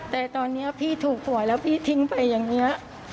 แต่ตอนนี้พี่ถูกหวยแล้วพี่ทิ้งไปอย่างนี้